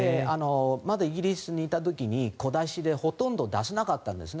まだイギリスにいた時に小出しでほとんど出さなかったんですね。